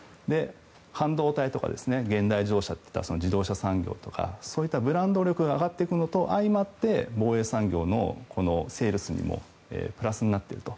半導体とか現代自動車といった自動車産業とか、ブランド力が上がっていくのと相まって防衛産業のセールスにもプラスになっていると。